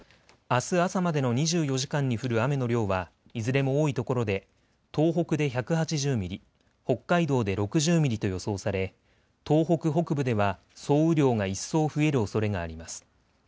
あす朝までの２４時間に降る雨の量はいずれも多いところで東北で１８０ミリ、北海道で６０ミリと予想され東北北部では総雨量が一層増えるおそれがあります。